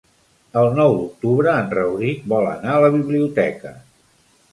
El nou d'octubre en Rauric vol anar a la biblioteca.